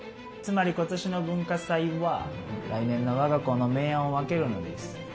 つまり今年の文化祭は来年の我が校の明暗を分けるのです。